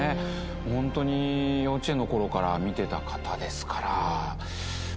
ホントに幼稚園の頃から見てた方ですから。